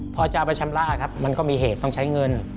พอจะเอาไปชำระครับมันก็มีเหตุต้องใช้เงิน